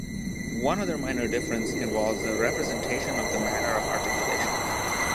One other minor difference involves the representation of the manner of articulation.